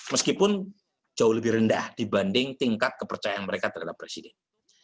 meskipun jauh lebih rendah dibanding tingkat kepercayaan mereka terhadap presiden